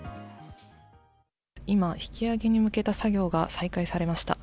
今、引き揚げに向けた作業が再開されました。